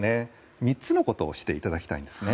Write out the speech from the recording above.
３つのことをしていただきたいんです。